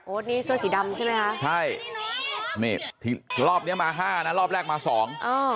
โอ๊ตนี้เสื้อสีดำใช่ไหมครับใช่รอบนี้มาห้านะรอบแรกมาสอง